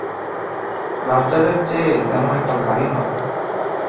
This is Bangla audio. বাচ্চাদের চেয়ে তেমন একটা ভারী নয়।